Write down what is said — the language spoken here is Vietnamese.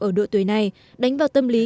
ở độ tuổi này đánh vào tâm lý